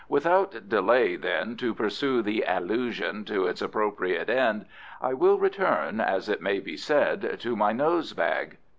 Without delay, then, to pursue the allusion to its appropriate end, I will return, as it may be said, to my nosebag.